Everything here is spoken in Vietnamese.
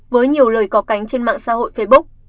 với nhiều lời cò cánh trên mạng xã hội facebook